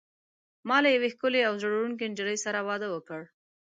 ما له یوې ښکلي او زړه وړونکي نجلۍ سره واده وکړ.